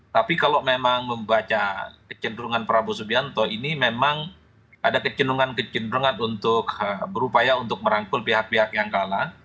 tapi kalau memang membaca kecenderungan prabowo subianto ini memang ada kecenderungan kecenderungan untuk berupaya untuk merangkul pihak pihak yang kalah